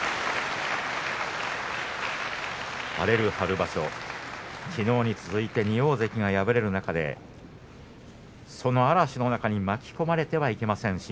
荒れる春場所きのうに続いて２大関が敗れる中でその嵐の中に巻き込まれてはいけません